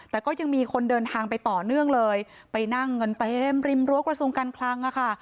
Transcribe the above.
แต่ก็ยังมีคนเดินทางไปต่อเนื่องเลยไปนั่งกันเต็มริมรั้วกระทรวงการคลังอะค่ะ